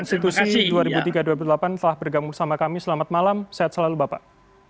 institusi dua ribu tiga dua puluh delapan telah bergabung bersama kami selamat malam sehat selalu bapak